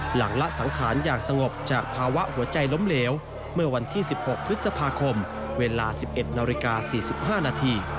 หลังละสังขารอย่างสงบจากภาวะหัวใจล้มเหลวเมื่อวันที่๑๖พฤษภาคมเวลา๑๑นาฬิกา๔๕นาที